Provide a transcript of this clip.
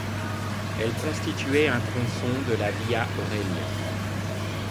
Elle constituait un tronçon de la via Aurelia.